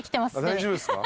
大丈夫ですか？